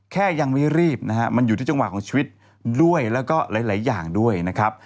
แค่ยังไม่รีบนะฮะมันอยู่ที่จังหวะของชีวิตด้วยแล้วก็หลายอย่างด้วยนะครับ